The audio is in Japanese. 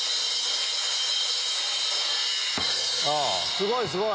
すごいすごい！